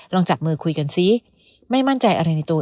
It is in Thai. ลองจับมือคุยกันซิ